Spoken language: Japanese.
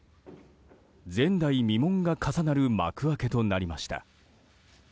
前代未聞が重なる幕開けとなりました。